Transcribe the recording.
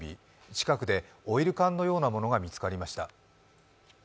近くでオイル缶のようなものが見つかりました。